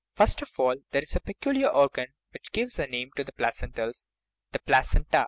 First of all, there is the peculiar organ which gives a name to the placentals the placenta.